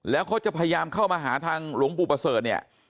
แล้วเขาจะพยายามเข้ามาหาทางหลวงปู่ประเสริฐเนี่ย